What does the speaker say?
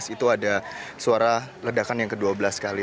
itu ada suara ledakan yang ke dua belas kali